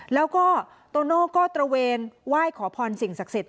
แล้วก็โตโน่ก็ตระเวนว่ายขอพรสิ่งศักดิ์เสร็จ